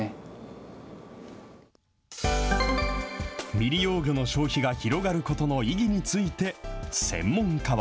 未利用魚の消費が広がることの意義について、専門家は。